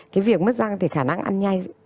cái việc mất răng thì khả năng ăn nhai